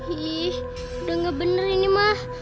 wih udah gak bener ini mah